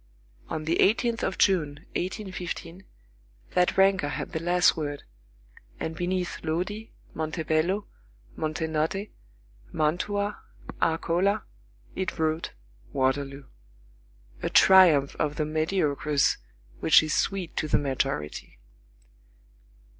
On the 18th of June, 1815, that rancor had the last word, and beneath Lodi, Montebello, Montenotte, Mantua, Arcola, it wrote: Waterloo. A triumph of the mediocres which is sweet to the majority.